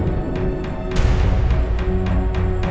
bukan gantiin aku jadi suami